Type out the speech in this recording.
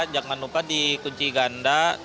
jangan lupa di kunci ganda